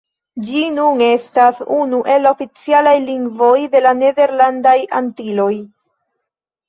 Ĝi nun estas unu el la oficialaj lingvoj de la Nederlandaj Antiloj.